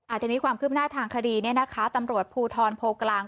อันนี้ความคืบหน้าทางคดีเนี่ยนะคะตำรวจภูทรโพกลาง